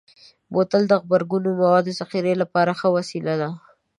بوتل د غبرګون موادو ذخیره لپاره ښه وسیله ده.